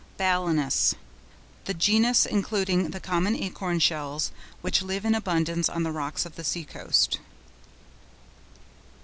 BALANUS.—The genus including the common Acorn shells which live in abundance on the rocks of the sea coast.